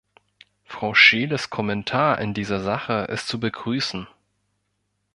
Frau Scheeles Kommentar in dieser Sache ist zu begrüßen.